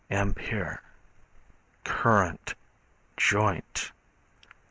Current, Joint.